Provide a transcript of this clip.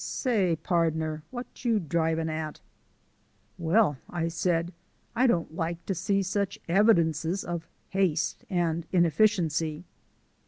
"Say, pardner, what you drivin' at?" "Well," I said, "I don't like to see such evidences of haste and inefficiency."